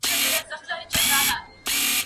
زه به سبا د کتابتوننۍ سره مرسته کوم!؟